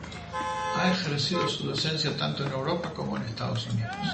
Ha ejercido su docencia tanto en Europa como en Estados Unidos.